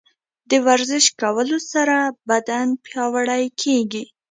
د ورزش کولو سره بدن پیاوړی کیږي.